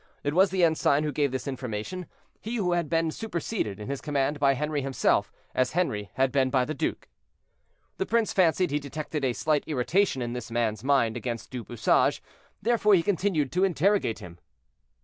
It was the ensign who gave this information—he who had been superseded in his command by Henri himself, as Henri had been by the duke. The prince fancied he detected a slight irritation in this man's mind against Du Bouchage; therefore he continued to interrogate him.